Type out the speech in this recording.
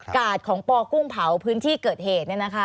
กาดของปกุ้งเผาพื้นที่เกิดเหตุ